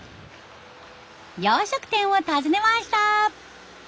洋食店を訪ねました。